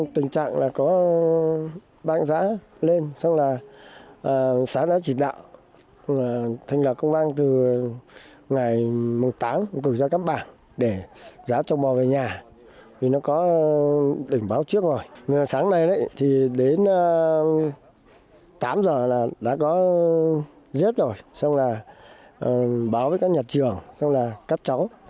từ sáng nay đến tám giờ là đã có rét rồi xong là báo với các nhà trường xong là các cháu